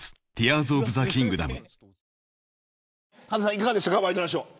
いかがでしたかワイドナショー。